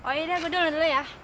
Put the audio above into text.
oh iya gue duluan dulu ya